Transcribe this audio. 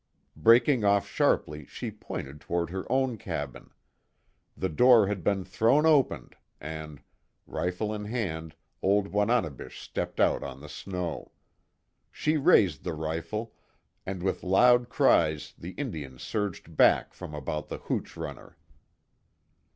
Breaking off sharply, she pointed toward her own cabin. The door had been thrown open and, rifle in hand old Wananebish stepped out on the snow. She raised the rifle, and with loud cries the Indians surged back from about the hooch runner.